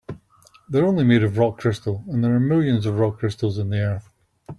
They're only made of rock crystal, and there are millions of rock crystals in the earth.